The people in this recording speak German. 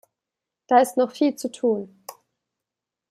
Da ist noch viel zu tun.